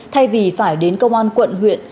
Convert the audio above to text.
thay vì phải đến công an quận huyện